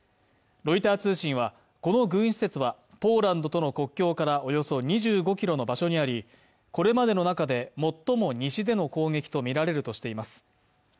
ロイター通信は、この軍施設はポーランドとの国境からおよそ２５ｋｍの場所にありこれまでの中で最も西での攻撃とみられるとしています。